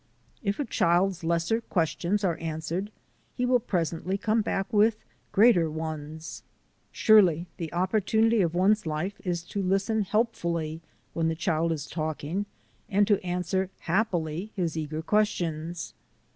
If a child's lesser questions are answered he will presently come back with greater ones. Surely, the opportunity of one's life is to listen helpfully when the child is talking and to answer happily his eager questions!